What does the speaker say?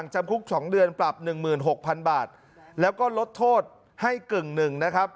จำคุก๒เดือนปรับ๑๖๐๐๐บาทแล้วก็ลดโทษให้กึ่งหนึ่งนะครับ